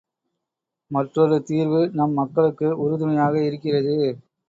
மற்றொரு தீர்வு நம் மக்களுக்கு உறு துணையாக இருக்கிறது.